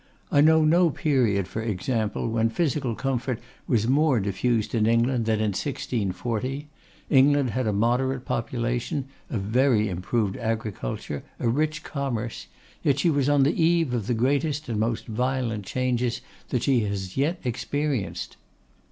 I know no period, for example, when physical comfort was more diffused in England than in 1640. England had a moderate population, a very improved agriculture, a rich commerce; yet she was on the eve of the greatest and most violent changes that she has as yet experienced.